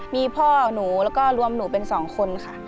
มีพ่อหนูแล้วก็รวมหนูเป็น๒คนค่ะ